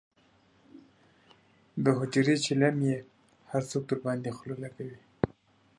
د حجرې چیلم یې هر څوک درباندې خله لکوي.